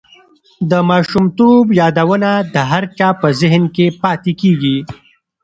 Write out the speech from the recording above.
د ماشومتوب یادونه د هر چا په زهن کې پاتې کېږي.